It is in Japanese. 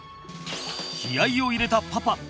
気合いを入れたパパ